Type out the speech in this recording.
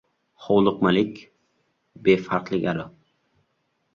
Hovliqmalik, befarqlik aro